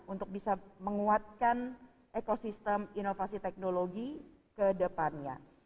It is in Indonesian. untuk bisa menguatkan ekosistem inovasi teknologi ke depannya